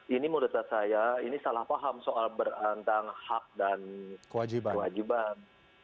ini menurut saya ini salah paham soal berantang hak dan kewajiban